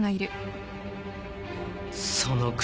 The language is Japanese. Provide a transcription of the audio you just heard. その口